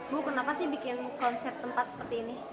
bu kenapa sih bikin konsep tempat seperti ini